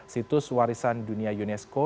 situs warisan dunia unesco